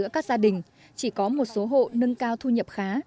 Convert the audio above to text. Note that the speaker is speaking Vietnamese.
các gia đình chỉ có một số hộ nâng cao thu nhập khá